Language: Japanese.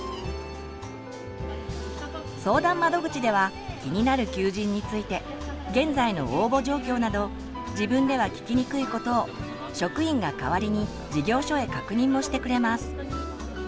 相談窓口では気になる求人について現在の応募状況など自分では聞きにくいことを職員が代わりに事業所へ確認もしてくれます。